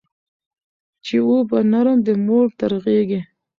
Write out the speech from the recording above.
چي وو به نرم د مور تر غېږي